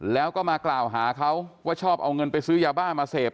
แล้วก็มากล่าวหาเขาว่าชอบเอาเงินไปซื้อยาบ้ามาเสพ